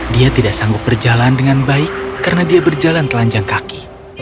dia tidak sanggup berjalan dengan baik karena dia berjalan telanjang kaki